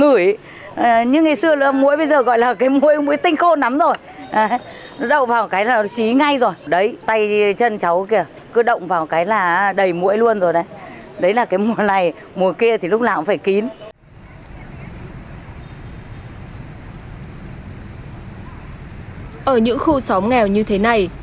ở những khu xóm nghèo như thế này